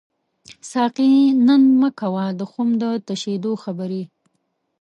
ساقي نن مه کوه د خُم د تشیدو خبري